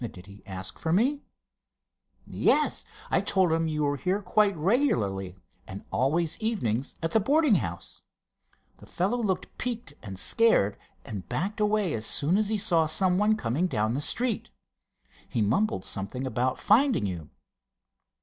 "Did he ask for me?" "Yes. I told him you were here quite regularly, and always evenings at the boarding house. The fellow looked peaked and scared, and backed away as soon as he saw someone coming down the street. He mumbled something about finding you."